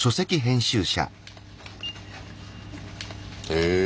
へえ。